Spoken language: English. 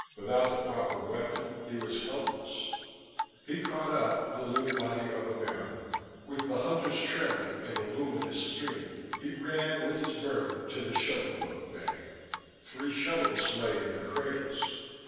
Without the proper weapon he was helpless. He caught up the limp body of Ammaerln. With the Hunters trailing in a luminous stream he ran with his burden to the shuttle boat bay. Three shuttles lay in their cradles.